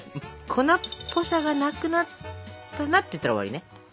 粉っぽさがなくなったなっていったら終わりね！